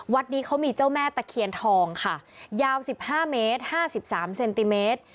วัดนี้เขามีเจ้าแม่ตะเคียนทองค่ะยาว๑๕เมตร๕๓เซนติเมตร